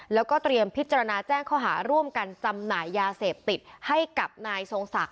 แล้วก็เตรียมพิจารณาแจ้งข้อหาร่วมกันจำหน่ายยาเสพติดให้กับนายทรงศักดิ